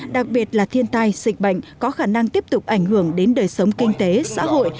đặc biệt là thiên tai dịch bệnh có khả năng tiếp tục ảnh hưởng đến đời sống kinh tế xã hội